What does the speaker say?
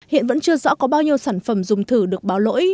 hiện vẫn chưa rõ có bao nhiêu sản phẩm dùng thử được báo lỗi